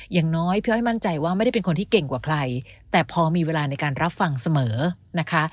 อย่างน้อยพี่อ้อยมั่นใจว่าไม่ได้เป็นคนที่เก่งกว่าใครแต่พอมีเวลาในการรับฟังเสมอนะคะ